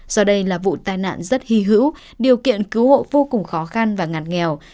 do đây là vụ tai nạn rất hy hữu điều kiện cứu hộ vô cùng khó khăn và ngặt nghèo